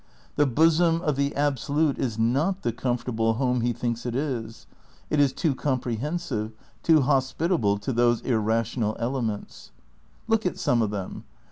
The bosom of the Absolute is not the comfortable home he thinks it is. It is too comprehensive, too hospitable to those irrational elements. Look at some of them.